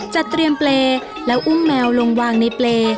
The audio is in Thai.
จัดเตรียมเปลแล้วอุ้มแมวลงวางในเปล